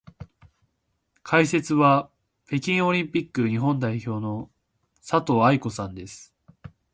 解説は北京オリンピック日本代表の佐藤愛子さんです。